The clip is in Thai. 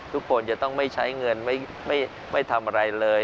ทุกคนจะต้องไม่ใช้เงินไม่ทำอะไรเลย